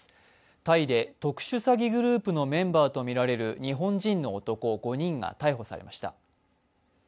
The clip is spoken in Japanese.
タイで特殊詐欺グループのメンバーとみられる日本人の男５人が逮捕されました。